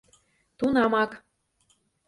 Тунамак.